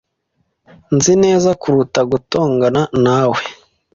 Nzi neza kuruta gutongana na we.